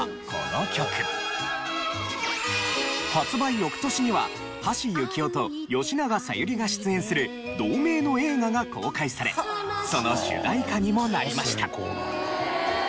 発売翌年には橋幸夫と吉永小百合が出演する同名の映画が公開されその主題歌にもなりました。